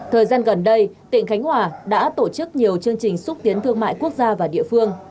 thời gian gần đây tỉnh khánh hòa đã tổ chức nhiều chương trình xúc tiến thương mại quốc gia và địa phương